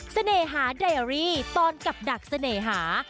เสน่หาไดรี่ตอนกับดักเสน่หา